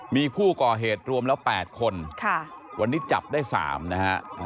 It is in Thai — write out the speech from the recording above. มีผู้ก่อเหตุรวมแล้ว๘คนวันนี้จับได้๓นะฮะ